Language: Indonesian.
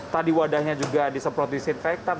tadi wadahnya juga disemprot disinfektan